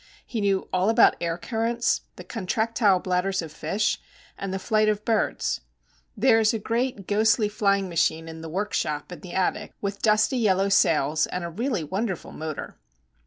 He knew all about air currents, the contractile bladders of fish, and the flight of birds. There is a great, ghostly, flying machine in the workshop in the attic with dusty yellow sails, and a really wonderful motor.